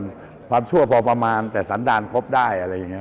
ความชั่วพอประมาณแต่สันดาลครบได้